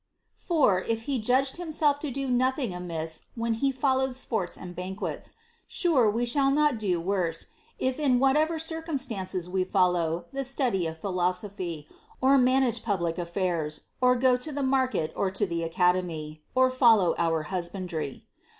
For, if he judged himself to do nothing amiss when he followed sports and banquets, sure, we shall not do worse, if in whatever circumstances we follow the study of phi losophy, or manage public affairs, or go to the market or to the Academy, or follow our husbandry.